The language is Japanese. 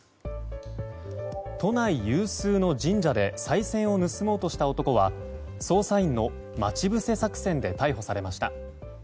都内有数の神社でさい銭を盗もうとした男は捜査員の待ち伏せ作戦で逮捕されました。